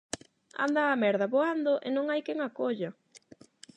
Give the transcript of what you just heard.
Anda a merda voando e non hai quen a colla